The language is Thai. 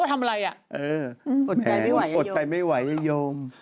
อดใจไม่ไหวอะโยม